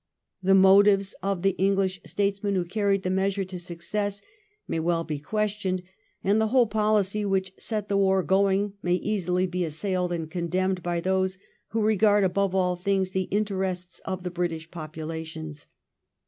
The motives of the English statesmen who carried the measure to success may well be questioned, arid the whole policy which set the war going may easily be assailed and condemned by those who regard, above all things, the interests of the British populations.